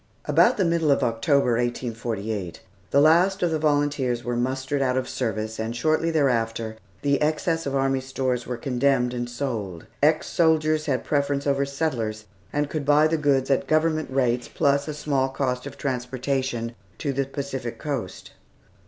About the middle of October, 1848, the last of the volunteers were mustered out of service, and shortly thereafter the excess of army stores were condemned and sold. Ex soldiers had preference over settlers, and could buy the goods at Government rates, plus a small cost of transportation to the Pacific coast.